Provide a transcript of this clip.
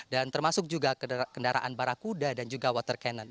dan termasuk juga kendaraan barakuda dan juga water cannon